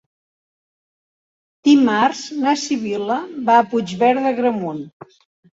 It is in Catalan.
Dimarts na Sibil·la va a Puigverd d'Agramunt.